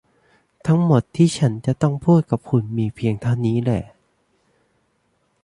ทั้งหมดที่ฉันจะต้องพูดกับคุณมีเพียงเท่านี้แหล่ะ !